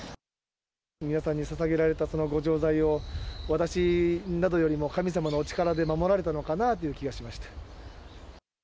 皆さんにささげられたその後じょうざいを私などよりも神様のお力で守られたのかなという気がしました。